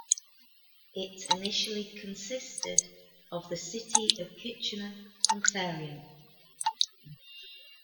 It initially consisted of the City of Kitchener, Ontario.